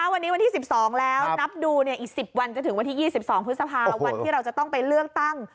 วันนี้วันที่สิบสองแล้วนับดูเนี่ยอีกสิบวันจะถึงวันที่ยี่สิบสองพฤษภาวันที่เราจะต้องไปเลือกตั้ง